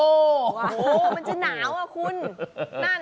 โอ้โหมันจะหนาวอ่ะคุณ